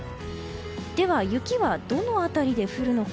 では、雪はどの辺りで降るのか。